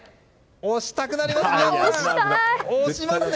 押したくなりますね！